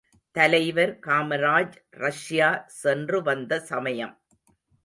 தலைவர் காமராஜ் ரஷ்யா சென்று வந்த சமயம்.